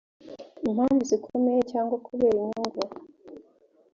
impamvu zikomeye cyangwa kubera inyungu